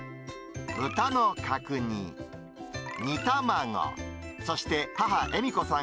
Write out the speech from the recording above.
豚の角煮、煮卵、そして母、江美子さん